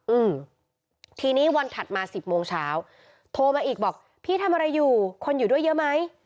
อืมทีนี้วันถัดมาสิบโมงเช้าโทรมาอีกบอกพี่ทำอะไรอยู่คนอยู่ด้วยเยอะไหม